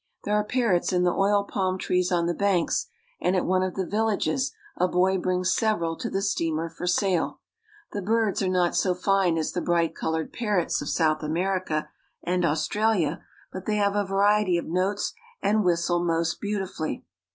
There are parrots in the oil palm trees on the banks, and at one of the villages a boy brings several to the steamer for sale. The birds are not so fine as the bright colored parrots of South America and AustraUa, but they have a variety of notes and whistle most beautifully.